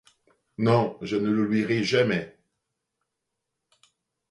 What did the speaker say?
Non, je ne l’oublierai jamais !